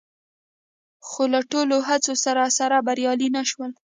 خو له ټولو هڅو سره سره بریالي نه شول